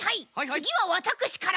つぎはわたくしから。